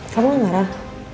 kamu ga marah